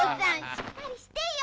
しっかりしてよ」